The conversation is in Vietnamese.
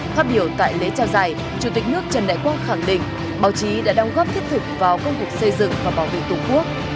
phát biểu tại lễ trao giải chủ tịch nước trần đại quốc khẳng định báo chí đã đồng góp thiết thực vào công cục xây dựng và bảo vệ tổng quốc